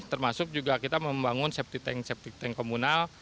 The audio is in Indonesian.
termasuk juga kita membangun safety tank septic tank komunal